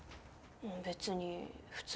別に普通。